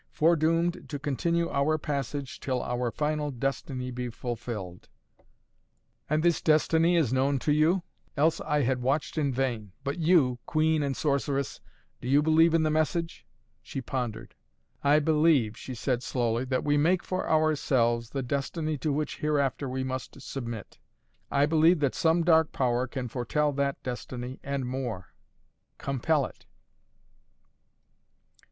"Foredoomed to continue our passage till our final destiny be fulfilled." "And this destiny is known to you?" "Else I had watched in vain. But you queen and sorceress do you believe in the message?" She pondered. "I believe," she said slowly, "that we make for ourselves the destiny to which hereafter we must submit. I believe that some dark power can foretell that destiny, and more compel it!"